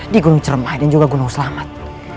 di gunung ceremah dan juga gunung selamat